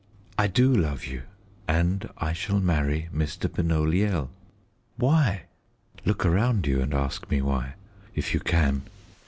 "I do love you, and I shall marry Mr. Benoliel." "Why?" "Look around you and ask me why, if you can."